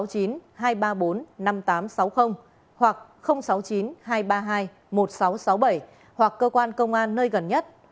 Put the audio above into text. hoặc sáu mươi chín hai trăm ba mươi hai một nghìn sáu trăm sáu mươi bảy hoặc cơ quan công an nơi gần nhất